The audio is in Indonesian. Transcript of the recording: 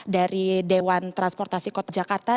dari dewan transportasi kota jakarta